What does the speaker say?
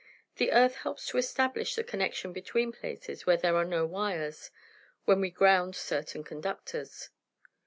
The earth helps to establish the connection between places where there are no wires, when we 'ground' certain conductors."